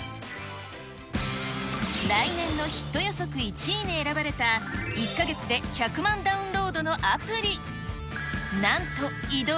来年のヒット予測１位に選ばれた、１か月で１００万ダウンロ